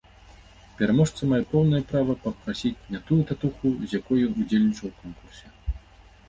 Пераможца мае поўнае права папрасіць не тую татуху, з якой ён удзельнічаў у конкурсе.